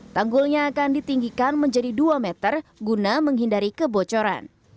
tanggulnya akan ditinggikan menjadi dua meter guna menghindari kebocoran